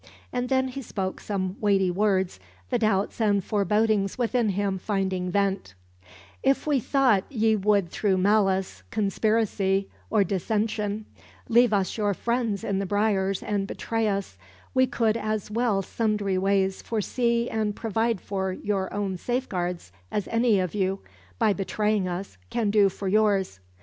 And then he spoke some weighty words, the doubts and forebodings within him finding vent: "If we thought ye would through malice, conspiracy, or dissension, leave us your friends in the briars and betray us, we could as well sundry ways forsee and provide for our own safeguards as any of you, by betraying us, can do for yours.